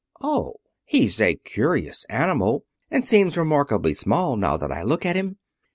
"Oh! He's a curious animal and seems remarkably small, now that I look at him.